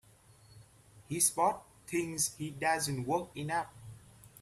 His boss thinks he doesn't work enough.